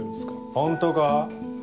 本当か？